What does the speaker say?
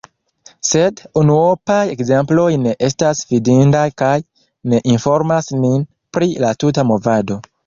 Sed unuopaj ekzemploj ne estas fidindaj kaj ne informas nin pri la tuta movado.